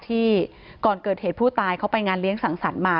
ก่อนเกิดเหตุผู้ตายเขาไปงานเลี้ยงสังสรรค์มา